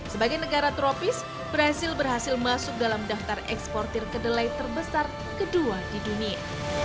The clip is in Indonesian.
sebagai negara tropis brazil berhasil masuk dalam daftar eksportir kedelai terbesar kedua di dunia